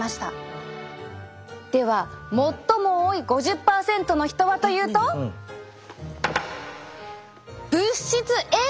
では最も多い５０％の人はというと物質Ａが不足！